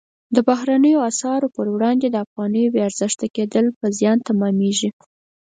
د بهرنیو اسعارو پر وړاندې د افغانۍ بې ارزښته کېدل په زیان تمامیږي.